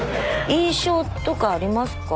印象とかありますか？